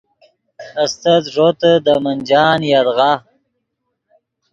استت ݱوتے دے منجان یدغا